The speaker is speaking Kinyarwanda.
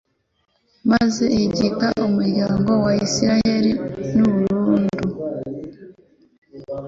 maze ihigika umuryango wa Israheli burundu